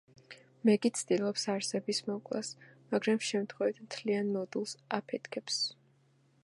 მეგი ცდილობს არსების მოკვლას, მაგრამ შემთხვევით მთლიან მოდულს აფეთქებს.